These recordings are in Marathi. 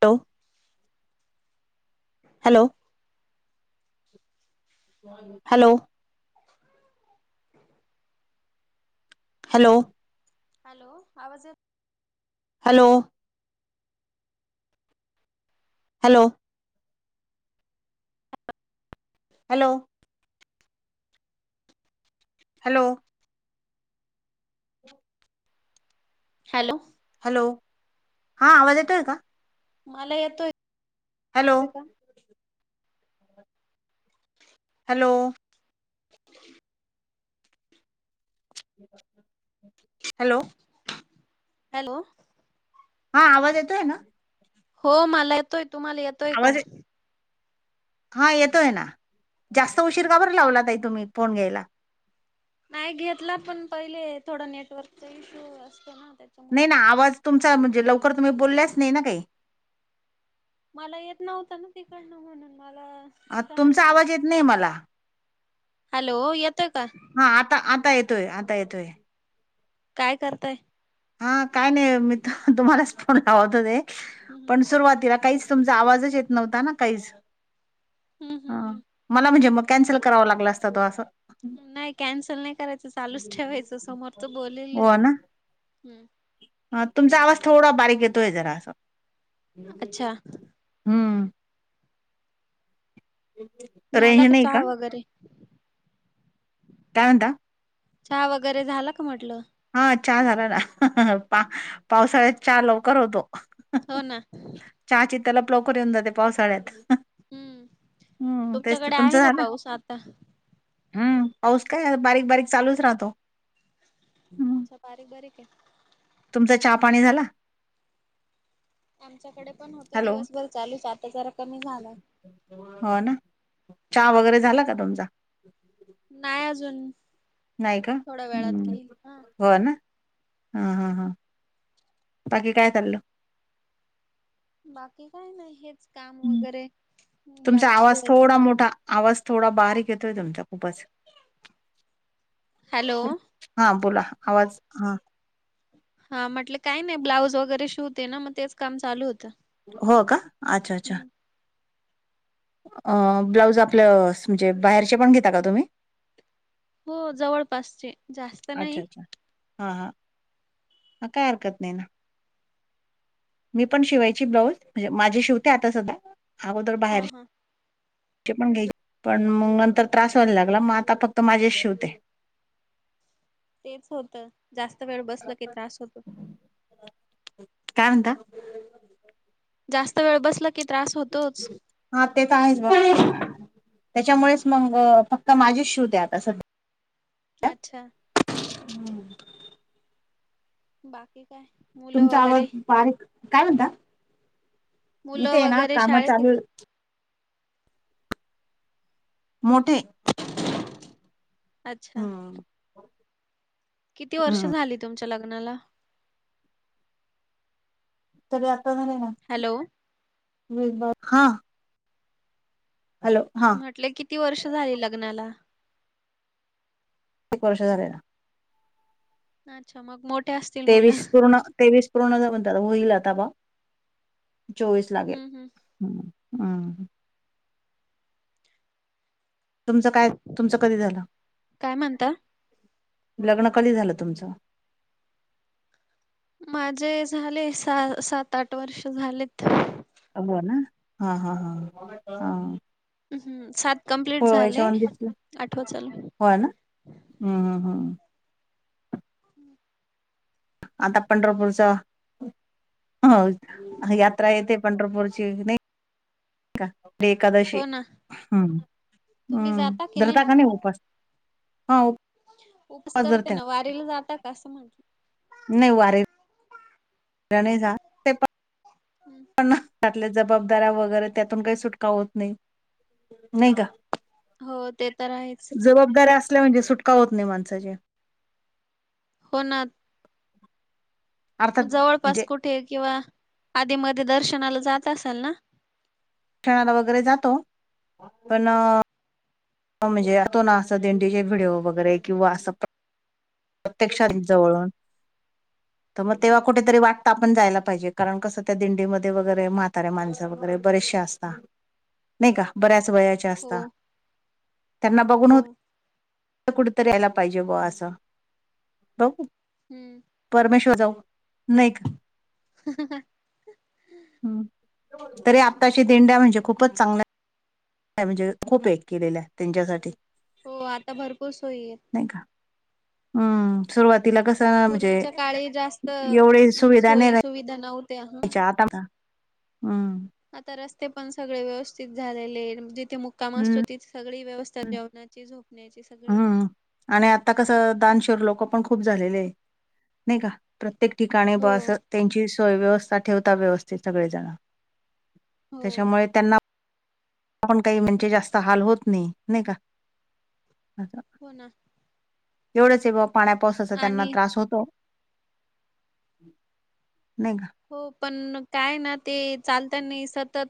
तव [inaudible] हॅलो हॅलो. हॅलो. हॅलो आवाज येत hello. Hello. Hello. Hello. Hello. Hello हा आवाज येतोय का? मला येतोय. हॅलो. होय का हॅलो. हॅलो. हॅलो. हा आवाज येतोय ना? हो मला येतोय तुम्हाला येतोय का? आवाज हा येतोय ना जास्त उशीर का बर लावला ताई तुम्ही फोन घ्यायला? नाय घेतला पण पहिले थोडं नेटवर्कचा इश्यू असतो ना त्याच्या नाय ना आवाज तुमचा म्हणजे लवकर तुम्ही बोलल्याच नाय ना काही. मला येत नव्हतं ना तिकडनं म्हणून मला कळालं तुमचा नाही आवाज येत नाय मला. हॅलो येतोय का? हा आता आता येतोय आता येतोय. काय करताय? हा काय नाय मी तुम्हालाच फोन लावतच होते हम्म पण सुरुवातीला कायच तुमचा आवाज येत न्हवता ना काहीच हम्म हा हम्म मला म्हणजे कॅन्सल करावां लागला असत तो असं. नाय कॅन्सल नाय करायचं चालूच ठेवायचं समोरच बोलेल हम्. ह तुमचा आवाज थोडा बारीक येतोय जरासं. अच्छा हम्म. [inaudible] झाला का चहा वगैरे? काय म्हनता? चहा वगैरे झाला का म्हटलं? हा चहा झाला ना पा- पावसाळ्यात चहा लवकर होतो. हो ना. चहाची तलाप लवकर येऊन जाते पावसाळ्यात. हम्म हम्म तेच तर तुमच्याकडे तुमचं आहे का झालं पाऊस आता? हम्म पाऊस काय बारीक बारीक चालूच राहतो. अच्छा बारीक बारीकय? तुमचं चहा पाणी झाला? आमच्याकडे पण होतं हॅलो दिवसभर चालूच आता जरा कमी झालाय. हो ना चहा वगैरे झाला का तुमचा? नाही अजून, नाही का थोड्या वेळात हम्म. घेईल हा. हो ना, हां हां हां, बाकी काय चाललं? बाकी काय नाही हेच काम हम्म, वगैरे तुमचा ब्लाऊज आवाज शिवायचं थोडा काम. मोठा, आवाज थोडा बारीक येतोय तुमचा खूपच. हॅलो [inaudible] हा बोला, आवाज हा. हा म्हटले काय नाही ब्लाऊज वगैरे शिवते ना मग तेच काम चालू होतं. हो का अच्छा! अच्छा! हम्म. अ ब्लाऊज आपलं म्हणजे बाहेरचे पण घेता का तुम्ही? हो जवळपासचे जास्त अच्छा नाही. अच्छा. हा हा, मग काय हरकत नाही ना. मी पण शिवायची ब्लाऊज म्हणजे माझे शिवते आता सध्या अगोदर हा बाहेर हा चे पण घ्याय पण मग नंतर त्रास व्हायला लागला मग आता फक्त माझेच शिवते. तेचं होतं जास्त वेळ बसल की त्रास होतो. [inaudible] काय म्हणता? जास्त वेळ बसल हा ते तर आहेच गं, त्यांच्यामुळेच हम्म मग फ क्त माझेच शिवते आता सध्या. अच्छा! बाकी काय? मुलं तुमचा आवाज वगैरे बारीक, काय म्हणता? इथे मुलं आहे ना वगैरे काम शाळेत आहे चालू का? आहेत. मोठे. [unintelligible] अच्छा! हम्म किती वर्ष हम्म झाली तुमच्या लग्नाला? तरी आता झाले ना हॅलो! मी बा, हा. हॅलो हा म्हटलं किती वर्ष झाली लग्नाला? एक वर्ष झालेला. अच्छा मग मोठ तेवीस पूर्ण, ‌ तेवीस पूर्ण म्हणतात होईल आता बा. चोवीस लागेल, हम्म हम्म ह हम्म. तुमचं काय? तुमचं कधी झालं? काय म्हणता? लग्न कधी झालं तुमचं? माझे झाले सहा, सात-आठ वर्ष झालेत. अ हो ना, हा हा हा, हा. हम्म सात कम्प्लीट झाले पोळ्याच्यान दिसलं आठव चालू आहे. हो ना, ह ह ह. हम्म. आता पंढरपूरच हो, यात्रा येते पंढरपूरची नाही. का एकादशी हो ना. हम्म, तुम्ही हम्म जाता की धरता का नाही उपा‌स? हा. उपास करता धरते ना वारीला जाता का असं म्हणत? नाही वारी नाही जात, ते पण. हम्म. पण त्यातल्या जबाबदाऱ्या वगैरे त्यातून काही सुटका होत नाही. नाही का. हो, ते तर आहेच. जबाबदाऱ्या असल्या म्हणजे, सुटका होत नाही माणसाची. हो ना. अर्थात जवळपास म्हणजे कुठे किंवा आधीमध्ये दर्शनाला जात असाल ना? खेळायला वगैरे जातो, पण अ म्हणजे यातून असं दिंडीचे व्हिडिओ वगैरे किंवा असं पण प्रत्यक्षात जवळून, त मग तेव्हा हम्म. कुठेतरी वाट त आपण जायला पाहिजे, कारण कसं त्या दिंडीमध्ये वगैरे म्हातारे माणसं वगैरे बरेचसे असता. नही का, बऱ्याच वयाच्या असता. हो त्यांना बघून हो [unintelligible] कुठेतरी यायला पाहिजे बुवा असं, बघू हम्म. परमेश्वर जाऊ, नही क [inaudible] हं हं हं. हम्म, तरी आत्ताच्या दिंड्या म्हणजे खूपच चांगल्या काय, म्हणजे खूप एक केलेल्या त्यांच्यासाठी. हो आता भरपूर सोयी येत. नाही का? हम्म सुरुवात तिला कस म्हणजे, पूर्वीच्या काळी एवढे सुविधा नही राही द्या नऊ तेच्या आता [unintelligible] हम्म. आता रस्ते पण सगळे व्यवस्थित झालेले ये, जिथे मुक्काम असतो हम्म तिथे सगळी व्यवस्था तर हम्म जेवणाची, झोपण्याची सगळी. हम्म आणि आता कसं दान शुर लोक पण खूप झालेले ये, नही का? प्रत्येक ठिकाणी ब हो अस, त्यांची सोय व्यवस्था ठेवता व्यवस्थित सगळेजण. हो त्याच्यामुळे त्यांना, पण काही म्हणजे जास्त हाल होत नाही. नही का? हंह. हो ना. एवढंच ये बुवा पाण्या पावसाचा त्यांना आणि त्रास होतो. नही का? हो पण काय ना ते चालताना ही सतत,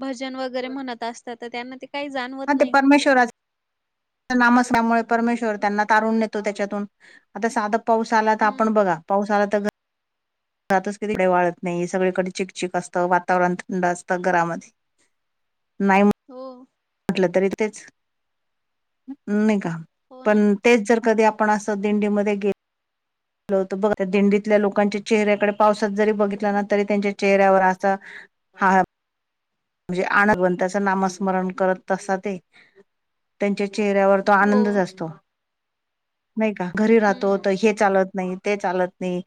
भजन वगैरे म्हणत असतात. तर त्यांना ते काही जान हा ते परमेश्वराच त्या नामस्मरणामुळे परमेश्वर त्यांना तारून नेतो त्याच्यातून, आता साधा पाऊस आला तर हम्म आपण बघा पाऊस आला तर घ रातच कधी काई वाळत नही सगळीकडे चिकचिक असतं, वातावरण थंड असतं, घरामध्ये. नाही म हो. म्हटलं तरी तेच, नही का? हो ना पण तेच जर कधी आपण असं दिंडीमध्ये गे लो तर, बघ त्या दिंडीतल्या लोकांच्या चेहऱ्याकडे पावसात जरी बघितला ना, तरी त्यांच्या चेहऱ्यावर असा हा अ म्हणजे आण भगवंताच नामस्मरण करत असा ते त्यांच्या चेहऱ्यावर तो हो आनंदच असतो. नही का? घरी राहतो हम्म तर हे चालत नही ते चालत नही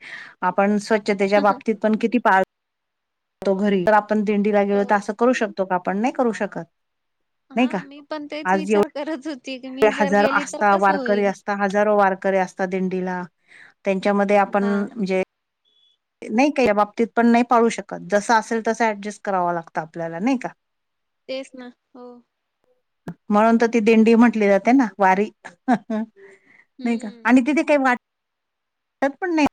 आपण स्व च्छतेच्या बाबतीत पण किती पाळतो घरी, तर आपण दिंडीला गेलो तर हो असं करू शकतो का आपण? नाही करू शकत. नाही का हा, मी पण तेच आज विचार एवढे करत होती, की मी जर गेली तर कसं होईल? आता हजारो वारकरी असतात दिंडीला, त्यांच्यामध्ये आपण हा म्हणजे नाही का, या बाबतीत पण नाही पाळू शकत, जसं असेल तसं ॲडजस्ट करावं लागतं, आपल्याला नाही का? तेच ना, हो. म्हणून तर ती दिंडी म्हंटली जाते ना, वारी. नही का, हम्म आणि तिथे काही वाटत पण नाही.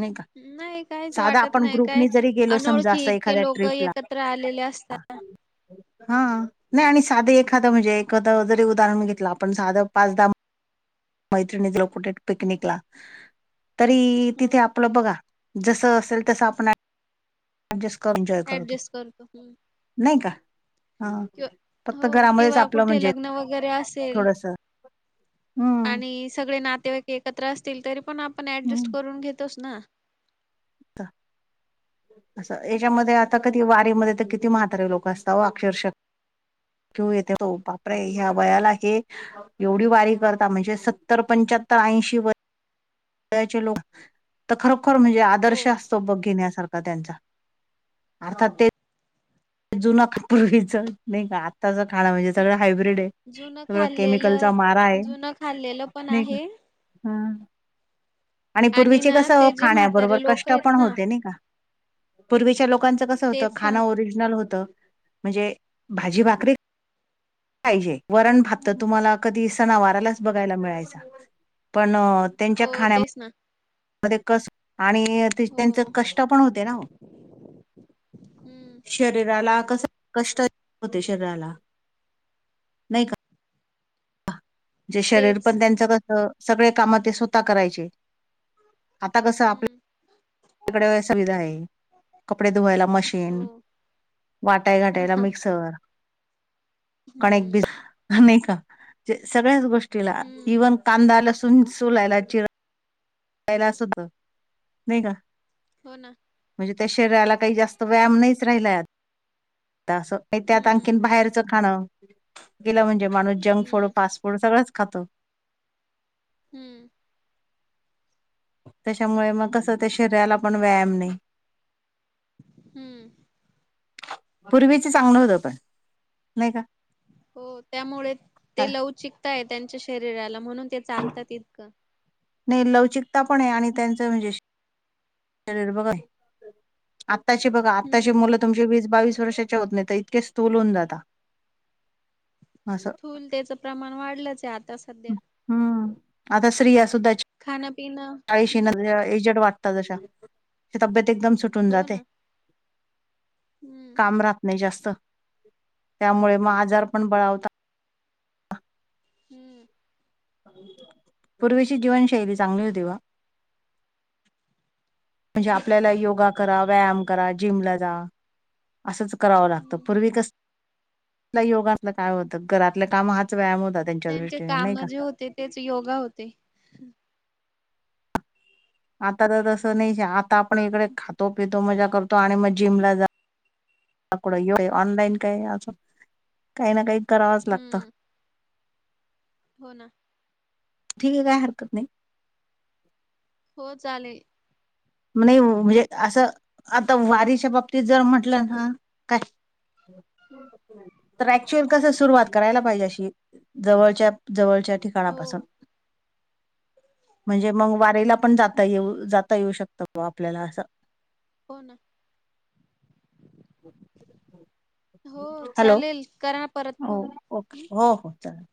नाही का नाही काहीच साधा वाटत आपण नाही, काय ग्रुपनी जरी गेलो समजा अनोळखी असं इतके एखाद्या लोक ट्रिपला ए कत्र आलेले असता हा, नाही आणि साधं एखाद म्हणजे, एखद जरी उदाहरण घेतलं, आपण साधं पाच दहा मैत्रिणीत लो कुठे पिकनिकला, तरी हो तिथे आपलं बघा जसं असेल तसं आपण ॲ ॲडजस्ट करुन एंजॉय करतो, ऍडजस्ट हम्म. नाही का? हा फक्त हो, घरामध्येच किंवा आपलं कुठे म्हणजे लग्न वगैरे असेल ल, थोडस हम्म आणि सगळे नातेवाईक एकत्र असतील, तरी पण आपण ऍडजस्ट हम्म. करून घेतोच ना? त्ता अस याच्यामध्ये, हम्म आता कधी वारीमध्ये तर किती म्हातारे लोक असतात हो, अक्षरशहा किऊ येते हो, बापरे ह्या वयाला हे एवढी वारी करता, म्हणजे सत्तर, पंच्याहत्तर, ऐंशी व यचे लोक तर खरोखर म्हणजे हो आदर्श तो घेण्यासारखा त्यांचा, अर्थात ते जुन का पूर्वीचं, नाही का आ त्याच खाणं वैगेरे हं. सगळ हायब्रीड आहे, जुनं सगळं केमिकलचा खाल्लेलं मारा आहे, जुनं खाल्लेलं पण नाही का? आहे हम्, आणि पूर्वीचे ना कसं ते जे खाण्याबरोबर म्हातारे लोक कष्ट आहेत पण ना होते, नाही का? पूर्वीच्या लोकांचं कसं होतं, तेच खान सांग ओरिज नल होत, म्हणजे भाजी भाकरी पाहिजे, वरण भात तर तुम्हाला कधी हो सणावारालाच बघायला मिळायचा, पण हो, तेच ना. मध्ये कस आणि हो त्यांच कष्ट पण होते ना ओ? हम्म शरीराला कस, कष्ट होते, शरीराला, नाही का? जे शरीर तेच पण त्यांच कस, सगळे काम ते स्वतः करायचे, आता कस आपल्या हम्म कडे सुविधा आहे, कपडे धुवायला हो मशीन वाटाय घाटायला, मिक्सर. कणीक हम्म भिजवायला, नाही का? म्हणजे सगळ्याच गोष्टीला, हम्म इव्हन कांदाला लसुन, सोलायला चिर यायला सद्ध नाही का? हो ना. म्हणजे त्या शरीराला काही जास्त व्यायाम नाहीच राहिला आता, असं. त्यात आणखीन हम्म बाहेरचं खाणं, गेलं म्हणजे माणूस जंक फूड, हम्म फास्ट फूड, सगळंच खातो. हम्म. त्याच्यामुळे मग कसं, त्या शरीराला पण व्यायाम नाही. हम्म! पूर्वीच चांगलं होत पण, नाही का? हो त्यामुळे ते लव चिकताय त्यांच्या शरीराला म्हणून ते चालतात इतकं. नाही लवचिकता पण ए आणि त्यांचं म्हणजे [unintelligible] शरीर बघहे. आत्ताची बघा, आत्ताची हम्म मुलं तुमचे वीस बावीस वर्षाचे होत नाही त इतके स्थुलू हुन जाता. असं स्थूल त्याचं प्रमाण वाढलंचए आता सध्या. हम्म, आता स्रिया सुद्धाच खानं, पिनं. काहिशी न [unintelligible] एजट वाटता जशा, ते तब्येत एकदम सुटून हो ना जाते. हम्म काम राहत नाही जास्त, त्यामुळे म आजार पण बळवता. हम्म पूर्वीची जीवनशैली चांगली होती ब्वा. हो म्हंजे ना आपल्याला योगा करा, व्यायाम करा, जिमला जा. असंच करावं लागतं, हम्म पूर्वी कस लई योगातलं काय होतं? घरातलं कामं हाच व्यायाम होतात. त्यांचे कामं जे होते तेच योगा होते. आता त तसं नईच ए आता आपण इकडे खातो पितो मजा करतो आणि मग जिमला जा तकडो ये ऑनलाईन काय असं? काही ना काही करावच लागतं. हम्म हो ना ठीके काय हरकत नई. हो चालेल. म नई वो मजे आसं, आता वारीच्या बाबतीत जर म्हटलं हां, काय? [inaudible] [inaudible] तर ऍक्च्युअल कस सुरुवात करायला पाहिजे अशी? जवळच्या-जवळच्याठी हो काळापासून म्हणजे मग वारीला पण जाता येऊ जाता येऊ शक त प आपल्याला असं. हो ना [inaudible] हो हॅलो, चालेल करा परत हो फोन ओके हं. हो-हो चला.